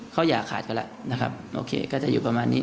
เขาอย่าขาดเขาแล้วนะครับโอเคก็จะอยู่ประมาณนี้